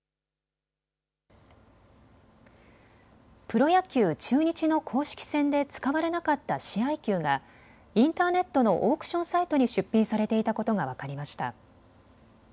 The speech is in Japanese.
プロ野球、中日の公式戦で使われなかった試合球がインターネットのオークションサイトに出品されていたことが分かりました。